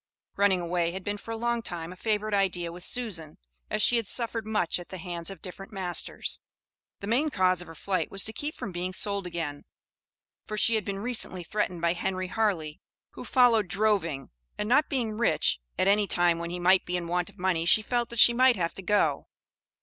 Running away had been for a long time a favorite idea with Susan, as she had suffered much at the hands of different masters. The main cause of her flight was to keep from being sold again; for she had been recently threatened by Henry Harley, who "followed droving," and not being rich, at any time when he might be in want of money she felt that she might have to go.